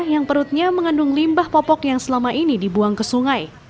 yang perutnya mengandung limbah popok yang selama ini dibuang ke sungai